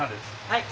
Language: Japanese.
はい。